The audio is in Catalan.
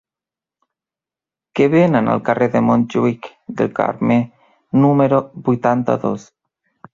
Què venen al carrer de Montjuïc del Carme número vuitanta-dos?